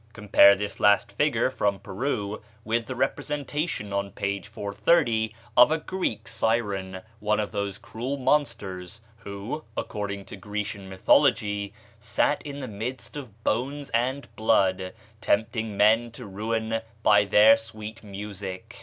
Compare this last figure, from Peru, with the representation on page 430 of a Greek siren, one of those cruel monsters who, according to Grecian mythology, sat in the midst of bones and blood, tempting men to ruin by their sweet music.